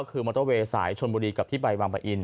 คือมอเตอร์เวย์สายชนบุรีกับที่ไปบางปะอิน